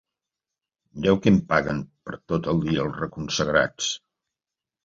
Mireu què em paguen per tot el dia, els reconsagrats.